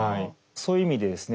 そういう意味でですね